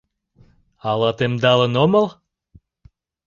— Ала темдалын омыл?